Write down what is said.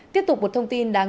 tiếp tục một thông tin